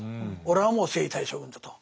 俺はもう征夷大将軍だと。